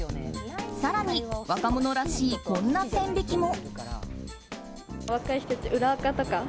更に若者らしいこんな線引きも。